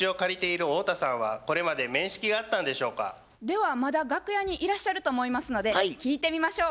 ではまだ楽屋にいらっしゃると思いますので聞いてみましょう。